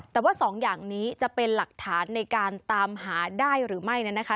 แต่ว่าสองอย่างนี้จะเป็นหลักฐานในการตามหาได้หรือไม่นั้นนะคะ